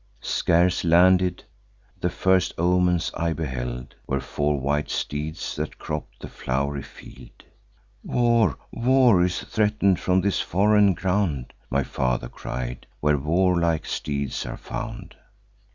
Scarce landed, the first omens I beheld Were four white steeds that cropp'd the flow'ry field. 'War, war is threaten'd from this foreign ground,' My father cried, 'where warlike steeds are found.